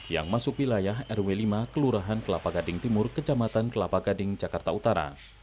yang masuk wilayah rw lima kelurahan kelapa gading timur kecamatan kelapa gading jakarta utara